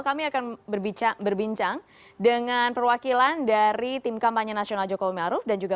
kami akan berbincang dengan perwakilan dari tim kampanye nasional jokowi maruf dan juga